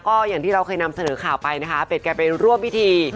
ก็อย่างที่เราเคยนำเสนอข่าวไปอเบดแกกะเป็นร่วมพิธี